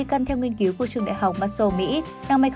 di căn theo nghiên cứu của trường đại học marshall mỹ